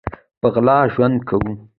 په غلا ژوند کوو